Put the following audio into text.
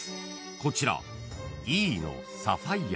［こちらＥのサファイア］